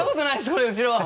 俺後ろ。